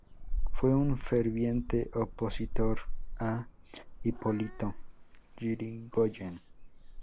Fue un ferviente opositor a Hipólito Yrigoyen.